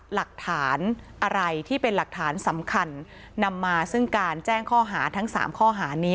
หลักฐานอะไรที่เป็นหลักฐานสำคัญนำมาซึ่งการแจ้งข้อหาทั้ง๓ข้อหานี้